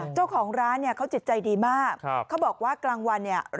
เจ้าของร้านเนี่ยเขาจิตใจดีมากเขาบอกว่ากลางวันเนี่ย